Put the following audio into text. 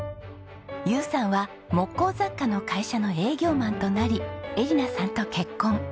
友さんは木工雑貨の会社の営業マンとなり恵梨奈さんと結婚。